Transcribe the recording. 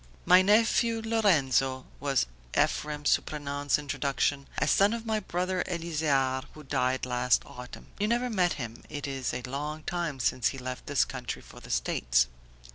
"My nephew Lorenzo," was Ephrem Surprenant's introduction, "a son of my brother Elzear who died last autumn. You never met him, it is a long time since he left this country for the States."